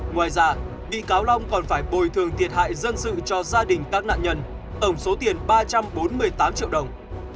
ngoài ra bị cáo long còn phải bồi thường thiệt hại dân sự cho gia đình các nạn nhân tổng số tiền ba trăm bốn mươi tám triệu đồng